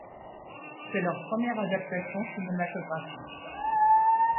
C'est leur première adaptation cinématographique.